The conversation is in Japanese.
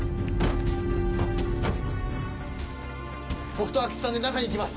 僕と阿久津さんで中行きます！